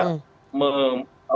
menghasilkan kontestasi itu tidak